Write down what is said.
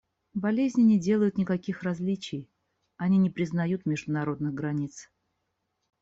Болезни не делают никаких различий; они не признают международных границ.